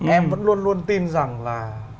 em vẫn luôn luôn tin rằng là